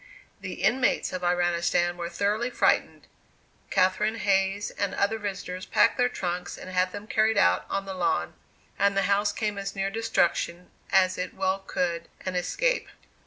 The inmates of Iranistan were thoroughly frightened; Catherine Hayes and other visitors packed their trunks and had them carried out on the lawn; and the house came as near destruction as it well could, and escape.